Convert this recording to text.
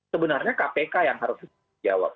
sebenarnya kpk yang harus bertanggung jawab